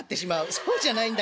そうじゃないんだけど。